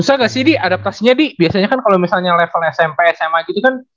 susah gak sih di adaptasinya di biasanya kan kalau misalnya level smp sma gitu kan